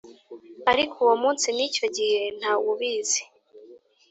Ariko uwo munsi n icyo gihe nta wubizi